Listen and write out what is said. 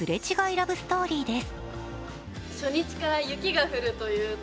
ラブストーリーです。